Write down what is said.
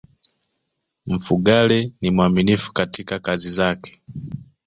mfugale ni mwaminifu katika kazi zake